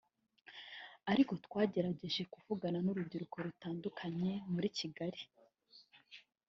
Ariko twagerageje kuvugana n’urubyiruko rutandukanye muri Kigali